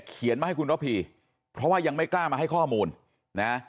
เขียนมาให้คุณระพีเพราะว่ายังไม่กล้ามาให้ข้อมูลนะ